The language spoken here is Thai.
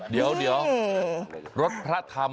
เดี๋ยวรถพระธรรม